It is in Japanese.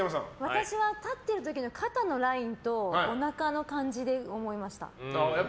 私は立ってる時の肩のラインとおなかの感じで思いました。